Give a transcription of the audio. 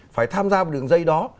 phải tham gia vào đường dây đó